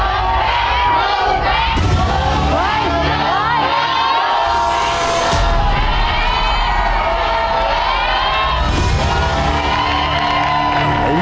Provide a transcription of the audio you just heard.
๑ล้านบาท